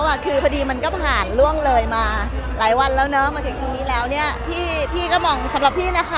กันคือพอดีมันก็ผ่านล่วงเลยมาหลายวันแล้วเนอะ